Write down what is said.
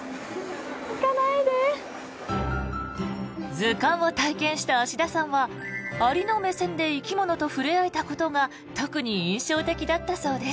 図鑑を体験した芦田さんはアリの目線で生き物と触れ合えたことが特に印象的だったそうです。